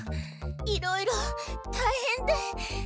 いろいろたいへんで。